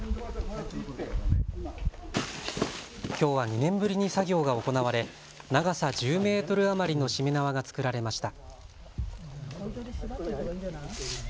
きょうは２年ぶりに作業が行われ長さ１０メートル余りのしめ縄が作られました。